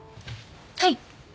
はい。